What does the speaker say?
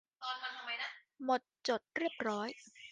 หมดจดเรียบร้อย